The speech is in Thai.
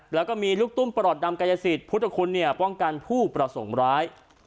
แล้วก็มีลูกตุ้มปลอดดำกายสิทธิ์พุทธคุณเนี่ยป้องกันผู้ประสงค์ร้าย